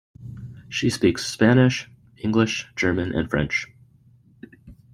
She speaks Spanish, English, German and French.